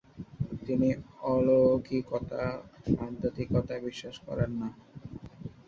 তিনি অলৌকিকতা, আধ্যাত্বিকতায় বিশ্বাস করেন না।